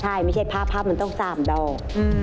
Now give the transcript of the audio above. ใช่ไม่ใช่พระพระมันต้องสามดอก